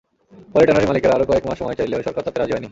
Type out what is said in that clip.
পরে ট্যানারির মালিকেরা আরও কয়েক মাস সময় চাইলেও সরকার তাতে রাজি হয়নি।